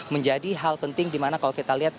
menjadi hal penting dimana kalau kita lihat